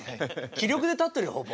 気力で立ってるよほぼ。